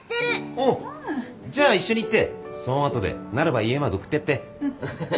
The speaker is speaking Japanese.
おっじゃあ一緒に行ってそん後でなるば家まで送ってやって。